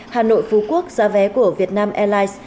hà nội phú quốc giá vé của vietnam airlines